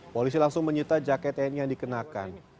polisi langsung menyita jaket tni yang dikenakan